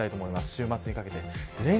週末にかけて。